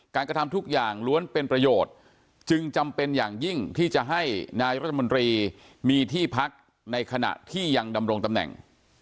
กระทำทุกอย่างล้วนเป็นประโยชน์จึงจำเป็นอย่างยิ่งที่จะให้นายรัฐมนตรีมีที่พักในขณะที่ยังดำรงตำแหน่ง